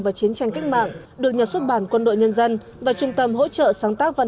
và chiến tranh cách mạng được nhà xuất bản quân đội nhân dân và trung tâm hỗ trợ sáng tác văn